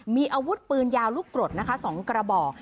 มีอาวุธปืนยาวลูกกรดนะคะ๒กระบอก